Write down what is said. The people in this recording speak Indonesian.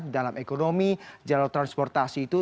dalam ekonomi jalur transportasi itu